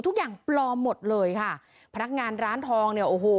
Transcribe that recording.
ทุกอย่างปลอมหมดเลยค่ะพนักงานร้านทองเนี่ยโอ้โห